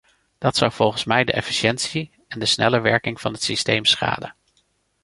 Dat zou volgens mij de efficiëntie en de snelle werking van het systeem schaden.